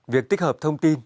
việc tích hợp thông tin